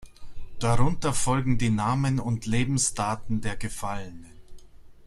Darunter folgen die Namen und Lebensdaten der Gefallenen.